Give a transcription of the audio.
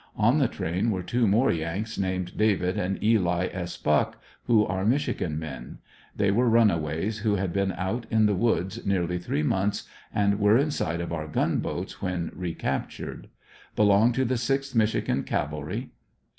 On the train were two more YanRs named David and Eli S. Buck, who are Michigan men. They were runaways who had been out in the woods nearly three months and were in sight of our gunboats when recaptured. Belong to the 6th Michigan Cavalry.